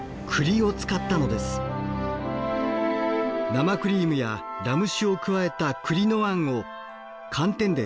生クリームやラム酒を加えた栗のあんを寒天でコーティング。